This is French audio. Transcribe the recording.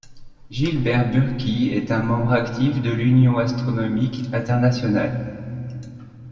Gilbert Burki est un membre actif de l'Union astronomique internationale.